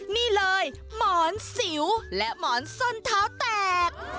นี่เลยหมอนสิวและหมอนส้นเท้าแตก